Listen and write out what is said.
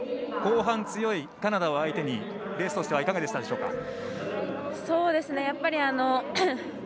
後半強いカナダを相手にレースとしてはいかがでしたでしょうか？